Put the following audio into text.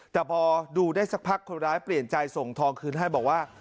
แต่พอดูได้สักพักคนร้ายเปลี่ยนใจส่งทองคืนให้บอกว่า